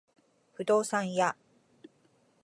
不動産屋